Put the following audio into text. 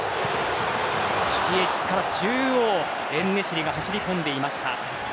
自陣から中央へとエンネシリが走り込んでいました。